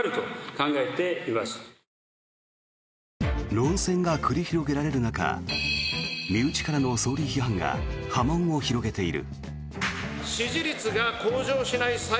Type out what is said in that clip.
論戦が繰り広げられる中身内からの総理批判が波紋を広げている。